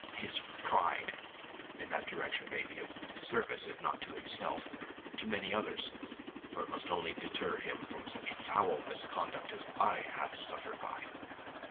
His pride, in that direction, may be of service, if not to himself, to many others, for it must deter him from such foul misconduct as I have suffered by.